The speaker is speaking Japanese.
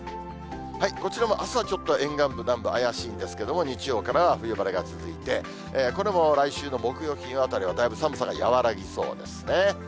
こちらもあすはちょっと沿岸部、南部怪しいんですけれども、日曜からは冬晴れが続いて、これも来週の木曜、金曜あたりはだいぶ寒さが和らぎそうですね。